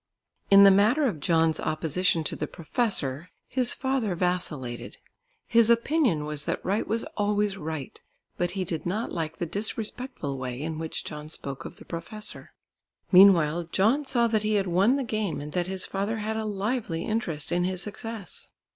In the matter of John's opposition to the professor, his father vacillated. His opinion was that right was always right, but he did not like the disrespectful way in which John spoke of the professor. Meanwhile John saw that he had won the game and that his father had a lively interest in his success.